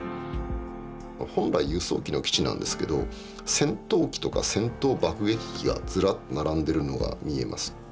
本来輸送機の基地なんですけど戦闘機とか戦闘爆撃機がずらっと並んでるのが見えます。